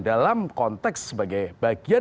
dalam konteks sebagai bagian